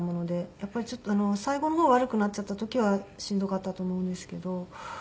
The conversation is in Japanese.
やっぱり最後の方悪くなっちゃった時はしんどかったと思うんですけど。